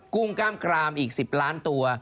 ุ้งกล้ามกรามอีก๑๐ล้านตัว